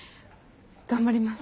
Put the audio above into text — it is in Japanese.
頑張ります。